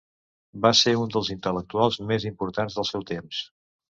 Va ser un dels intel·lectuals més importants del seu temps.